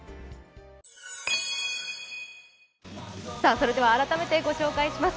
それでは改めてご紹介します